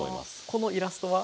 このイラストは？